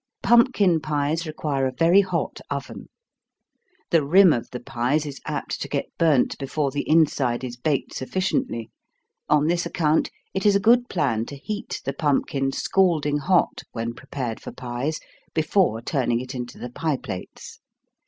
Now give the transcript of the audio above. Pumpkin pies require a very hot oven. The rim of the pies is apt to get burnt before the inside is baked sufficiently. On this account, it is a good plan to heat the pumpkin scalding hot when prepared for pies, before turning it into the pie plates.